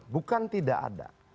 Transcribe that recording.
bukan tidak ada